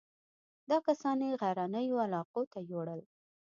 دا کسان یې غرنیو علاقو ته یووړل.